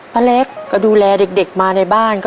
พระลักษมณ์ก็ดูแลเด็กมาในบ้าน